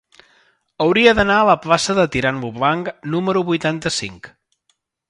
Hauria d'anar a la plaça de Tirant lo Blanc número vuitanta-cinc.